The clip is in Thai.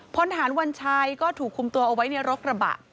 พลฐานวัญชัยก็ถูกคุมตัวเอาไว้ในรถกระบะ